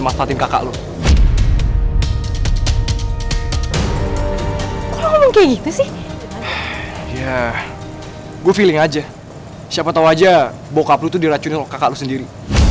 masak kakak lu sih gue feeling aja siapa tahu aja bokap lu diracunin kakak lu sendiri